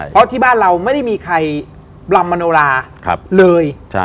เพราะที่บ้านเราไม่ได้มีใครรำมโนราเลย